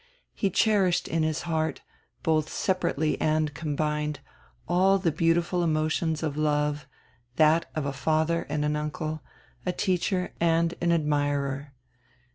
He cherished in his heart, both separately and combined, all the beautiful emotions of love — that of a father and an uncle, a teacher and an admirer.